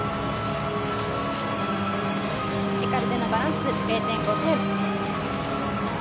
エカルテのバランス、０．５点。